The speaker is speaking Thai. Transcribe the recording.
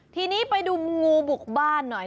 ทีนี้ไปดูงูบุกบ้านหน่อย